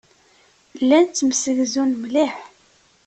Llan ttemsegzun mliḥ.